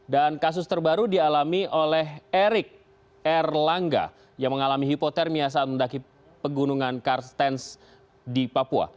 dan kasus terbaru dialami oleh erik r langga yang mengalami hipotermia saat mendaki pegunungan kartens di papua